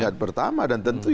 saat tingkat tingkat pertama